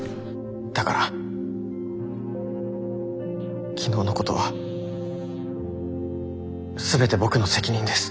だから昨日のことは全て僕の責任です。